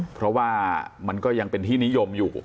เพราะว่ามันก็ยังเป็นที่นิยมอยู่